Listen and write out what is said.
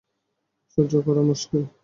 সহ্য করা মুশকিল।